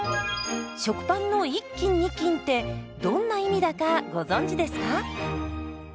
食パンの１斤２斤ってどんな意味だかご存じですか？